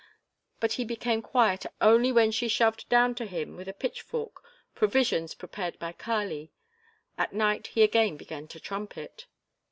But he became quiet only when she shoved down to him with a pitchfork provisions prepared by Kali; at night he again began to trumpet.